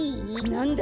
なんだ？